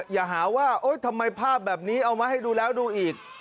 อย่าหาว่าทำไมภาพแบบนี้เอามาให้ดูแล้วดูอีก